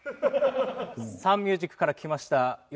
サンミュージックから来ましたよ